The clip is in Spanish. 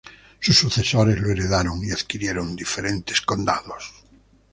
Sus sucesores lo heredaron y adquirieron diferentes condados.